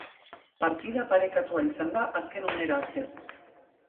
Partida parekatua izan da azken unera arte.